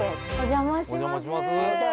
お邪魔します。